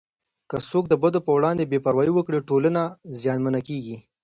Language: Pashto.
که څوک د بدو په وړاندې بې پروايي وکړي، ټولنه زیانمنه کېږي.